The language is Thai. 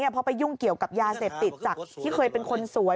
เพราะไปยุ่งเกี่ยวกับยาเสพติดจากที่เคยเป็นคนสวย